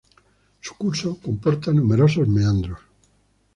Su curso comporta numerosos meandros.